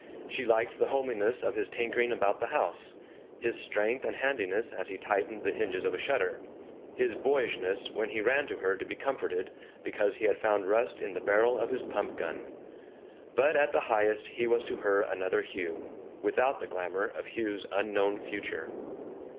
She liked the homeliness of his tinkering about the house; his strength and handiness as he tightened the hinges of a shutter; his boyishness when he ran to her to be comforted because he had found rust in the barrel of his pump gun. But at the highest he was to her another Hugh, without the glamor of Hugh's unknown future.